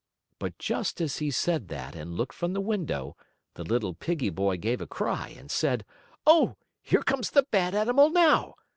But just as he said that and looked from the window, the little piggie boy gave a cry, and said: "Oh, here comes the bad animal now!